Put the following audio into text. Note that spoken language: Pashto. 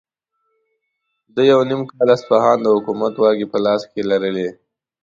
ده یو نیم کال اصفهان د حکومت واکې په خپل لاس کې لرلې.